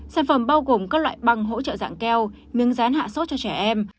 sản phẩm bao gồm các loại băng hỗ trợ dạng keo miếng rán hạ sốt cho trẻ em